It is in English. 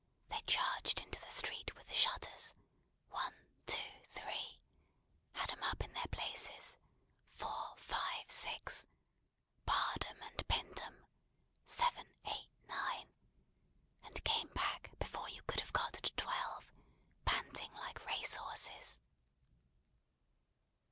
They charged into the street with the shutters one, two, three had 'em up in their places four, five, six barred 'em and pinned 'em seven, eight, nine and came back before you could have got to twelve, panting like race horses.